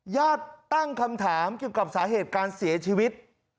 ตั้งคำถามเกี่ยวกับสาเหตุการเสียชีวิต